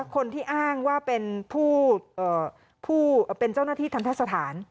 คนที่อ้างว่าเป็นผู้เป็นเจ้าหน้าที่ทันทะสถาน